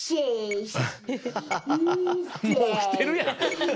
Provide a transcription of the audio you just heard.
もうおきてるやん！